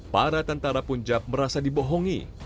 para tentara punjab merasa dibohongi